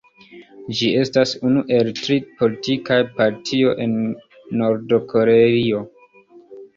Ĝi estas unu el tri politikaj partioj en Nord-Koreio.